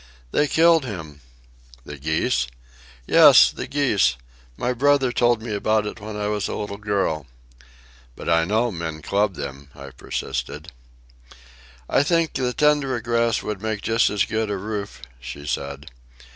"They killed him." "The geese?" "Yes, the geese. My brother told me about it when I was a little girl." "But I know men club them," I persisted. "I think the tundra grass will make just as good a roof," she said.